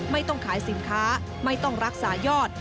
ไม่ต้องขายสินค้าไม่ต้องรักษายอด